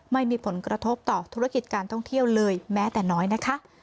ไม่มีผลกระทบต่อธุรกิจการท่องเที่ยวเลยแม้แต่น้อยนะคะ